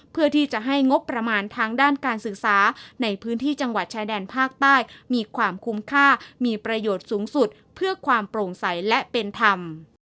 เพื่อที่จะให้งบประมาณทางด้านการศึกษาในพื้นที่จังหวัดชายแดนภาคใต้มีความคุ้มค่ามีประโยชน์สูงสุดเพื่อความโปร่งใสและเป็นธรรม